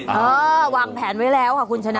เออวางแผนไว้แล้วค่ะคุณชนะ